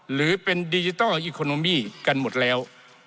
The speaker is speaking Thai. หรือเป็นดิจิทัลอิโคโนมี่กันหมดแล้ว